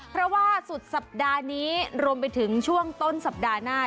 เพราะว่าสุดสัปดาห์นี้รวมไปถึงช่วงต้นสัปดาห์หน้า